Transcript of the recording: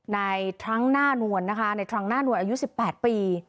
ทรั้งหน้านวลนะคะในทรังหน้านวลอายุ๑๘ปี